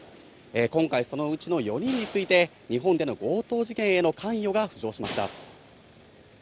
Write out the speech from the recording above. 今回、そのうちの４人について、日本での強盗事件への関与が浮上しました。